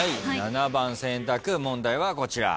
７番選択問題はこちら。